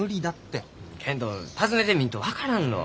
けんど訪ねてみんと分からんろう。